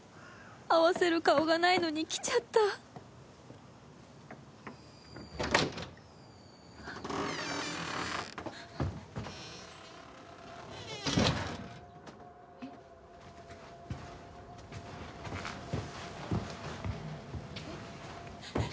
合わせる顔がないのに来ちゃったえっ？えっ？